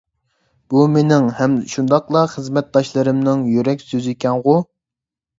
بۇ مېنىڭ ھەم شۇنداقلا خىزمەتداشلىرىمنىڭ يۈرەك سۆزىكەنغۇ!